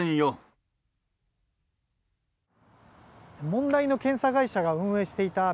問題の検査会社が運営していた